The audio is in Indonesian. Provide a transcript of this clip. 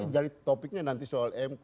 jadi itu nanti soal mk